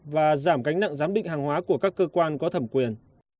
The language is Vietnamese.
và giảm cánh nặng giám định hàng hóa của các cơ quan có thẩm quyền